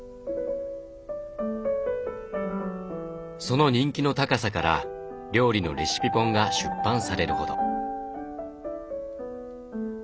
その人気の高さから料理のレシピ本が出版されるほど。